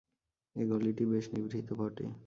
এ গলিটি বেশ নিভৃত বটে।